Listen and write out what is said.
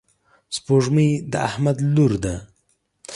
سپوږمۍ د احمد لور ده.